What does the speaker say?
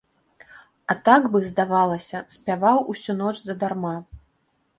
А так бы, здавалася, спяваў усю ноч задарма.